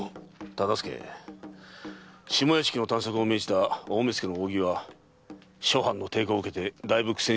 忠相下屋敷の探索を命じた大目付の扇は諸藩の抵抗を受けてだいぶ苦戦しているようだ。